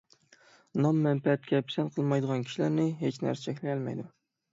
نام ـ مەنپەئەتكە پىسەنت قىلمايدىغان كىشىلەرنى ھېچ نەرسە چەكلىيەلمەيدۇ،